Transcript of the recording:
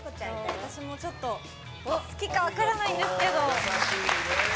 私もちょっとお好きか分からないんですけど。